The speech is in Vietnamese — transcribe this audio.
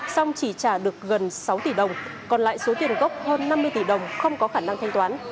xong chỉ trả được gần sáu tỷ đồng còn lại số tiền gốc hơn năm mươi tỷ đồng không có khả năng thanh toán